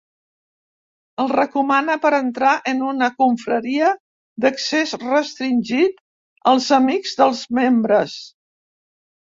El recomana per entrar en una confraria d'accés restringit als amics dels membres.